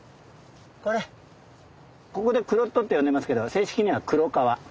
これここでクロットって呼んでますけど正式にはクロカワ。